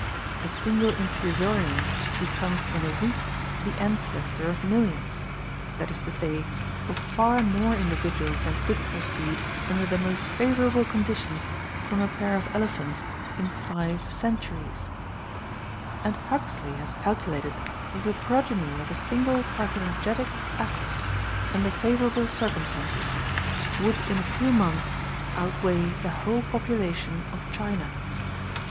A single infusorian becomes in a week the ancestor of millions, that is to say, of far more individuals than could proceed under the most favorable conditions from a pair of elephants in five centuries; and Huxley has calculated that the progeny of a single parthenogenetic aphis, under favorable circumstances, would in a few months outweigh the whole population of China.